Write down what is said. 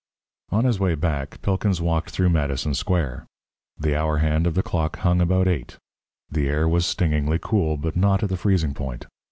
On his way back, Pilkins walked through Madison Square. The hour hand of the clock hung about eight; the air was stingingly cool, but not at the freezing point.